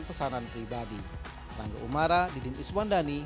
pesanan pribadi rangga umara didin iswandani